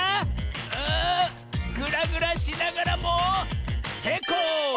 あグラグラしながらもせいこう！